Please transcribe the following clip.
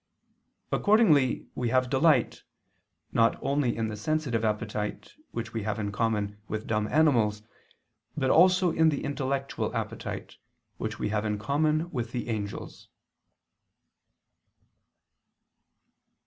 Accordingly we have delight, not only in the sensitive appetite, which we have in common with dumb animals, but also in the intellectual appetite, which we have in common with the angels.